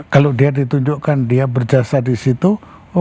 kalau dia ditunjukkan dia berjasa disitu oke